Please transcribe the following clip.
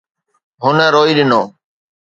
هن روئي ڏنو.